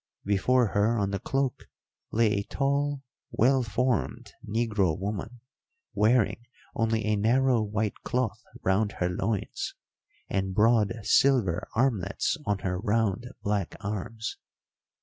Before her on the cloak lay a tall, well formed negro woman, wearing only a narrow white cloth round her loins, and broad silver armlets on her round black arms.